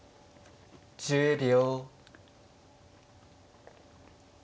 １０秒。